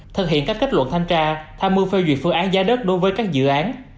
thực hiện các kết luận thanh tra tham mưu phê duyệt phương án giá đất đối với các dự án